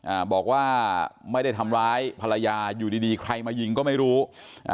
อ่าบอกว่าไม่ได้ทำร้ายภรรยาอยู่ดีดีใครมายิงก็ไม่รู้อ่า